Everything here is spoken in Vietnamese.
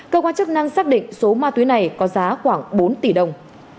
cơ quan chức năng xác định số ma túy này có giá khoảng bốn tỷ đồng